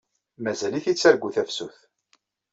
Mazal-it yettargu tafsut.